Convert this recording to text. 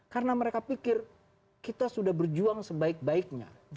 karena mereka pikir kita sudah berjuang sebaik baiknya